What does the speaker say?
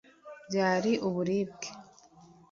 byari uburibwe